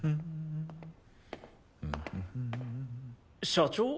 社長？